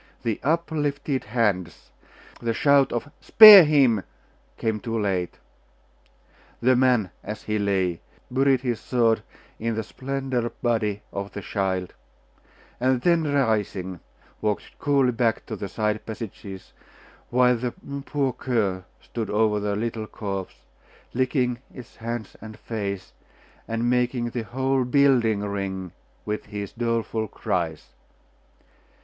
The uplifted hands, the shout of 'Spare him!' came too late. The man, as he lay, buried his sword in the slender body of the child, and then rising, walked coolly back to the side passages, while the poor cur stood over the little corpse, licking its hands and face, and making the whole building ring with his doleful cries.